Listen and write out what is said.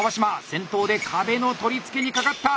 先頭で壁の取り付けにかかった！